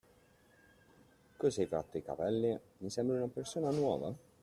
Cosa hai fatto ai capelli? Mi sembri una persona nuova!